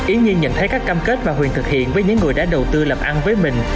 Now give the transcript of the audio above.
yến nhi nhận thấy các cam kết mà huỳnh thực hiện với những người đã đầu tư làm ăn với mình